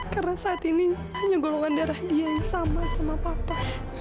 karena saat ini hanya golongan darah dia yang sama sama pak prabu